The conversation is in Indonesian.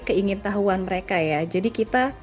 keingin tahuan mereka ya jadi kita